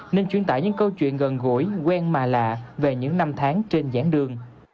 nên truyền tải những câu chuyện gần gũi quen mà lạ về những năm tháng trên dãn đường